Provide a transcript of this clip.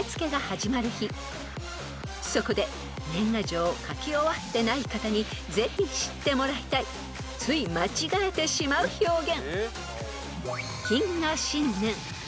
［そこで年賀状を書き終わってない方にぜひ知ってもらいたいつい間違えてしまう表現］